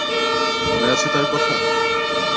মনে আছে তার কথা?